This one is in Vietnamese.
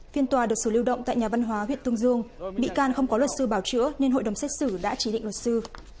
phiên tòa được xử lưu động tại nhà văn hóa huyện tương dương bị can không có luật sư bảo chữa nên hội đồng xét xử đã chỉ định luật sư